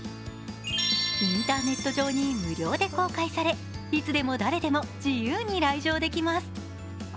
インターネット上に無料で公開されいつでも誰でも自由に来場できます。